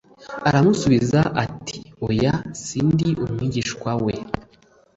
Aramusubiza ati oya sindi umwigishwa we